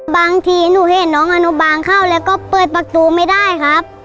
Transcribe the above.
บางทีหนูเห็นน้องอนุบาลเข้าแล้วก็เปิดประตูไม่ได้ครับ